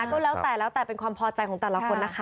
ก็แล้วแต่แล้วแต่เป็นความพอใจของแต่ละคนนะคะ